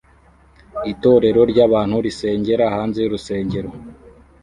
Itorero ry'abantu risengera hanze y'urusengero